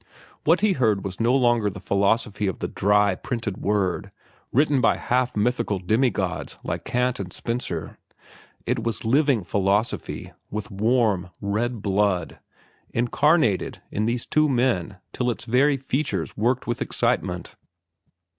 What he heard was no longer the philosophy of the dry, printed word, written by half mythical demigods like Kant and Spencer. It was living philosophy, with warm, red blood, incarnated in these two men till its very features worked with excitement.